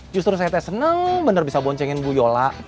justru saya teh seneng bener bisa boncengin bu yola